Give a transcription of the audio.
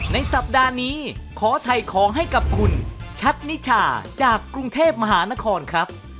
ในสัปดาห์นี้ขอถ่ายของให้กับคุณชัดนิชาจากกรุงเทพมหานครครับ